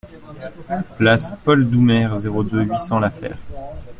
Place Paul Doumer, zéro deux, huit cents La Fère